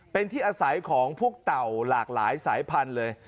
เป็นที่อาศัยของพวกเต่าหลากหลายสายพันธุ์เลย